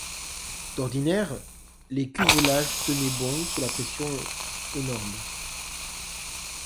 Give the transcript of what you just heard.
D’ordinaire, les cuvelages tenaient bon, sous la pression énorme.